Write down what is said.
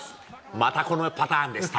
またこのパターンでしたか。